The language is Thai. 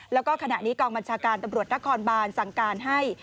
แล้วก็ขณะนี้กองบัญชาการตำรวจนครบานสั่งการให้